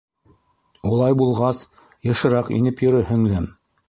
-Улай булғас, йышыраҡ инеп йөрө, һеңлем.